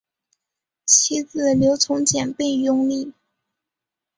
其子刘从谏被拥立。